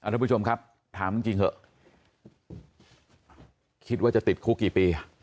ทุกผู้ชมครับถามจริงเถอะคิดว่าจะติดคุกกี่ปี